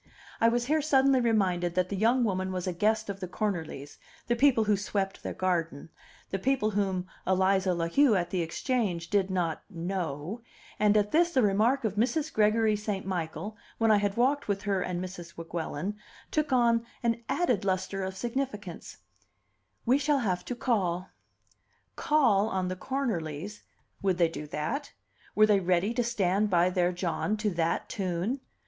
I was here suddenly reminded that the young woman was a guest of the Cornerlys, the people who swept their garden, the people whom Eliza La Heu at the Exchange did not "know"; and at this the remark of Mrs. Gregory St. Michael, when I had walked with her and Mrs. Weguelin, took on an added lustre of significance: "We shall have to call." Call on the Cornerlys! Would they do that? Were they ready to stand by their John to that tune?